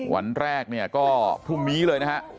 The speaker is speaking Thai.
วันแรกก็ทุ่มมี้เลยนะฮะ